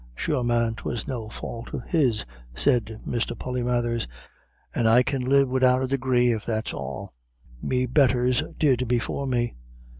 "Sure, man, 'twas no fault of his," said Mr. Polymathers, "and I can live widout a Degree, if that's all. Me betters did before me.